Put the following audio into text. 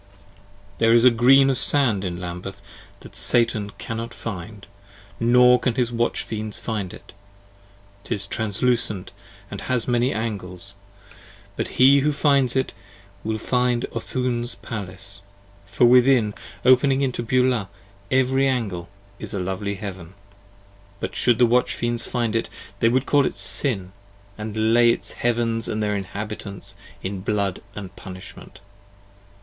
15 There is a Green of Sand in Lambeth that Satan cannot find, Nor can his Watch Fiends find it; 'tis translucent & has many Angles, But he who finds it will find Oothoon's palace, for within, Opening into Beulah, every angle is a lovely heaven. But should the Watch Fiends find it, they would call it Sin, 20 And lay its Heavens & their inhabitants in blood of punishment.